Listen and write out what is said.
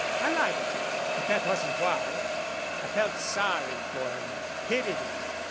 I liked him. But that wasn't why. I felt sorry for him pitied him."